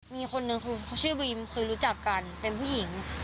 มีคนหนึ่งชื่อบีมคือรู้จักกันเป็นผู้หญิง